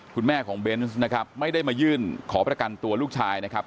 คุณแม่ของเบนส์นะครับไม่ได้มายื่นขอประกันตัวลูกชายนะครับ